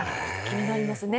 気になりますね。